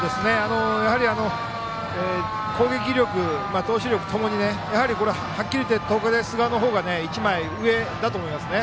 やはり、攻撃力投手力共にはっきりいって東海大菅生の方が１枚上だと思いますね。